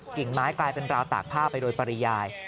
กิ่งไม้กลายเป็นราวตากผ้าไปโดยปริยาย